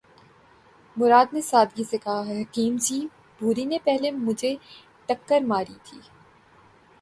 مراد نے سادگی سے کہا:”حکیم جی! بھوری نے پہلے مجھے ٹکر ماری تھی۔